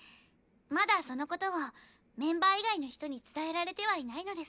まだその事をメンバー以外の人に伝えられてはいないのですが。